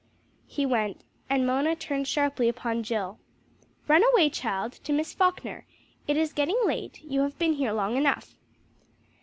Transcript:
He went, and Mona turned sharply upon Jill "Run away, child, to Miss Falkner. It is getting late, you have been here long enough."